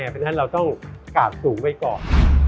เพราะฉะนั้นเราต้องกาดสูงไปก่อน